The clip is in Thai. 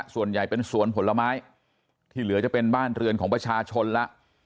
ส่วนใหญ่เป็นสวนผลไม้ที่เหลือจะเป็นบ้านเรือนของประชาชนแล้ว